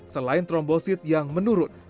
selain trombosit yang menurun